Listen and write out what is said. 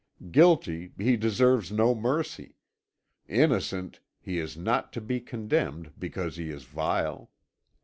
Guilty, he deserves no mercy; innocent, he is not to be condemned because he is vile.